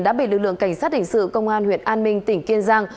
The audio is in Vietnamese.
đã bị lực lượng cảnh sát hình sự công an huyện an minh tỉnh kiên giang